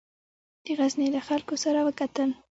د غزني له خلکو سره وکتل.